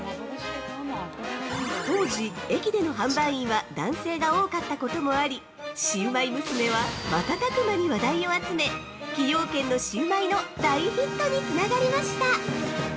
当時、駅での販売員は男性が多かったこともあり、シウマイ娘は瞬く間に話題を集め、崎陽軒のシウマイの大ヒットにつながりました！